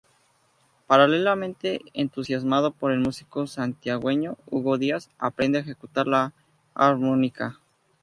Paralelamente, entusiasmado por el músico santiagueño Hugo Díaz, aprende a ejecutar la armónica.